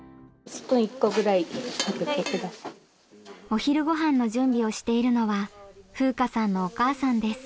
お昼ごはんの準備をしているのは風夏さんのお母さんです。